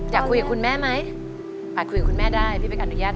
จะไปต่อหรือยังไงอยู่ที่คำตอบนี้นะเท่านั้นครับสู้หรือยุด